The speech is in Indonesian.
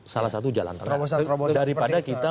salah satu jalan terang daripada kita